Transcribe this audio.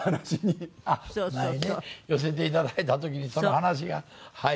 前ね寄せていただいた時にその話がはい。